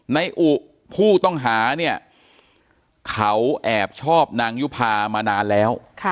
ในอุผู้ต้องหาเนี่ยเขาแอบชอบนางยุภามานานแล้ว